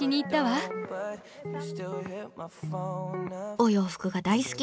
お洋服が大好き。